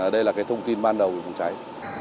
đây là cái thông tin ban đầu của công cháy